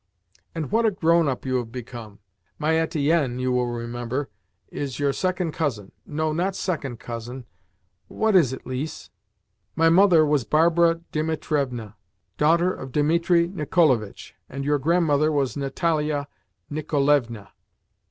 "And what a grown up you have become! My Etienne, you will remember, is your second cousin. No, not second cousin what is it, Lise? My mother was Barbara Dimitrievna, daughter of Dimitri Nicolaevitch, and your grandmother was Natalia Nicolaevna."